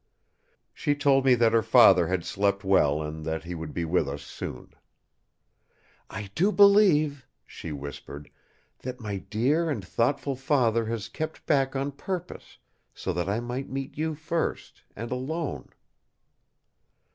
She told me that her father had slept well, and that he would be with us soon. "I do believe," she whispered, "that my dear and thoughtful Father has kept back on purpose, so that I might meet you first, and alone!"